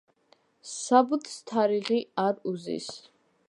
საბუთს თარიღი არ უზის.